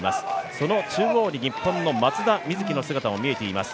その中央に日本の松田瑞生の姿も見えています。